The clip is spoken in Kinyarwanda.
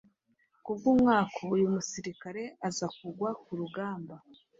ku bw’umwaku uyu musirikare azakugwa ku rugamba